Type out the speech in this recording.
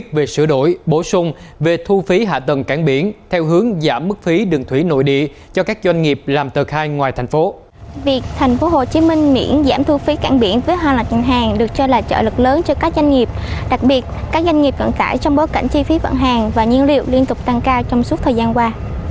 thành phố hồ chí minh miễn giảm thu phí cảng biển với hoa lạc dân hàng được cho là trợ lực lớn cho các doanh nghiệp đặc biệt các doanh nghiệp cận tải trong bối cảnh chi phí vận hàng và nhiên liệu liên tục tăng cao trong suốt thời gian qua